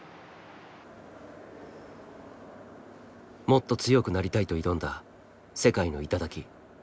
もっと強くなりたいと挑んだ世界の頂。